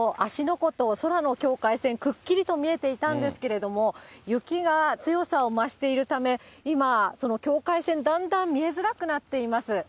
湖と空の境界線、くっきりと見えていたんですけれども、雪が強さを増しているため、今、その境界線、だんだん見えづらくなっています。